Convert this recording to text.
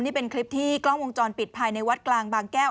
นี่เป็นคลิปที่กล้องวงจรปิดภายในวัดกลางบางแก้ว